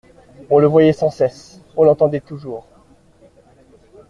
On le voyait sans cesse, on l'entendait toujours.